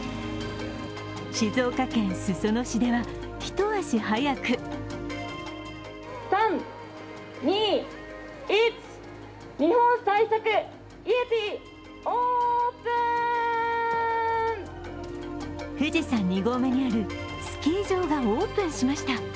静岡県裾野市では一足早く富士山２合目にあるスキー場がオープンしました。